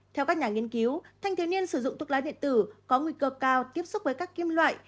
theo các nhà nghiên cứu thanh thiếu niên sử dụng thuốc lá điện tử có nguy cơ cao tiếp xúc với các kim loại